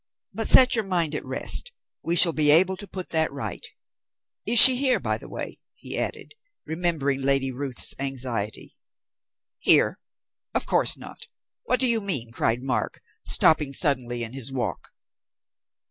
But set your mind at rest; we shall be able to put that right. Is she here, by the way?" he added, remembering Lady Ruth's anxiety. "Here, of course not! What do you mean?" cried Mark, stopping suddenly in his walk.